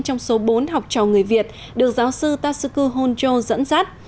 trong số bốn học trò người việt được giáo sư tasuku honcho dẫn dắt